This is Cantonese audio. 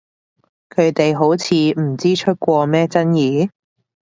佢哋好似唔知出過咩爭議？